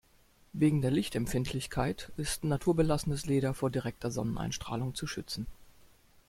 Wegen der Lichtempfindlichkeit ist naturbelassenes Leder vor direkter Sonneneinstrahlung zu schützen.